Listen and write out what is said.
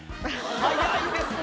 早いですね。